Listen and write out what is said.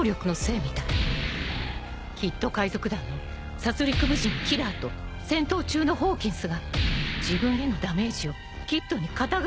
［キッド海賊団の殺戮武人キラーと戦闘中のホーキンスが自分へのダメージをキッドに肩代わりさせていたのよ］